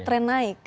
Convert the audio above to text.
kok ada trend naik